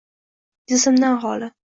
Jismdan xoli